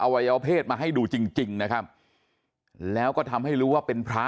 วัยวเพศมาให้ดูจริงจริงนะครับแล้วก็ทำให้รู้ว่าเป็นพระ